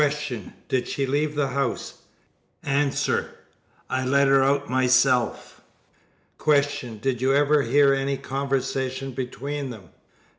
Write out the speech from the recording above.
Did she leave the house? A. Yes. I let her out myself. Q. Did you ever hear any conversation between them?